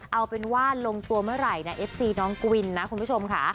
เอาเป็นว่าลงตัวเมื่อไหร่นะเอฟซีน้องกวินนะคุณผู้ชมค่ะ